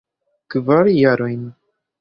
Kvar jarojn.